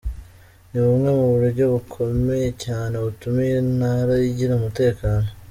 Ni bumwe mu buryo bukomeye cyane butuma iyi ntara igira umutekano.